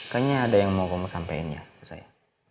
kayaknya ada yang mau kamu sampein ya misalnya